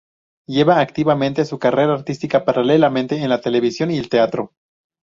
Lleva activamente su carrera artística paralelamente en la televisión y el teatro.